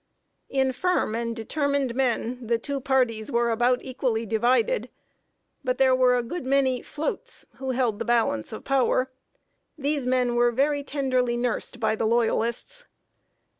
In firm and determined men, the two parties were about equally divided; but there were a good many "floats," who held the balance of power. These men were very tenderly nursed by the Loyalists.